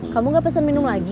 kamu gak pesen minum lagi